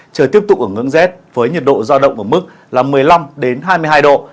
chờ tiếp tục ở ngưỡng z với nhiệt độ giao động ở mức một mươi năm hai mươi hai độ